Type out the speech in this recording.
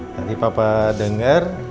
tadi papa denger